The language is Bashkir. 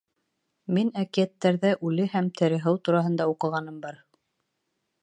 Мин әкиәттәрҙә үле һәм тере һыу тураһында уҡығаным бар.